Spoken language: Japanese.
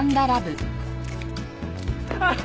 あっ！